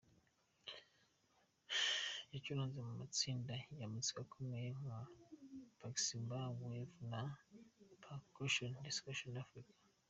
Yacuranze mu matsinda ya muzika akomeye nka Baxmba Waves na Percussion Discussion Africa.